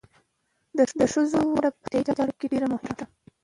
د ښځو ونډه په روغتیايي چارو کې ډېره مهمه ده.